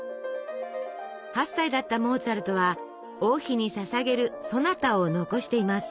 ８歳だったモーツァルトは王妃にささげるソナタを残しています。